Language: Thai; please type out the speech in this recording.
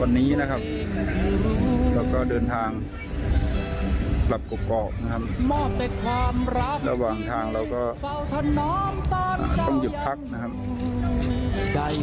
วันนี้นะครับเราก็เดินทางกลับกรบกรอกนะครับระหว่างทางเราก็อ่าต้องหยุดพักนะครับ